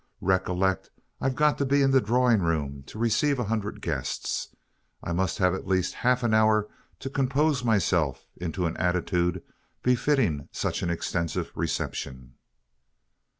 Recollect I've got to be in the drawing room to receive a hundred guests. I must have at least half an hour to compose myself into an attitude befitting such an extensive reception."